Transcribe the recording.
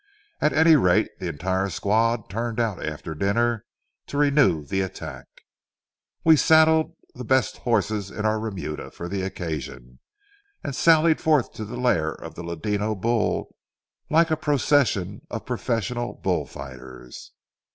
At any rate, the entire squad turned out after dinner to renew the attack. We saddled the best horses in our remuda for the occasion, and sallied forth to the lair of the ladino bull, like a procession of professional bull fighters.